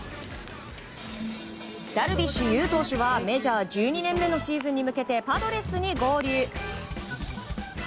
ダルビッシュ有投手はメジャー１２年目のシーズンに向けてパドレスに合流。